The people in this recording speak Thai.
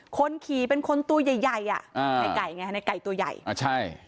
คนขี่เป็นคนตัวใหญ่ใหญ่อ่ะอ่าในไก่ไงในไก่ตัวใหญ่อ่าใช่